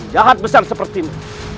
jahat besar seperti mu